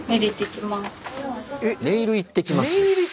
ネイル行ってきます？